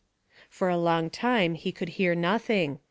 For a long time he could hear nothing.